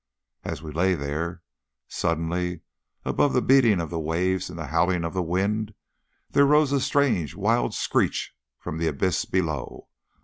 As we lay there, suddenly, above the beating of the waves and the howling of the wind, there rose a strange wild screech from the abyss below.